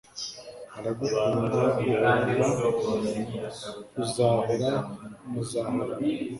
aragukunda uhorana uzahora Muzahorana